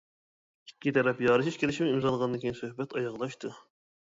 ئىككى تەرەپ يارىشىش كېلىشىمى ئىمزالىغاندىن كېيىن سۆھبەت ئاياغلاشتى.